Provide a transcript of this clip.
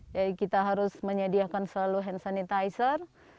jadi kita harus menyediakan selalu hand sanitizer